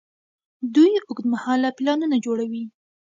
دوی اوږدمهاله پلانونه جوړوي.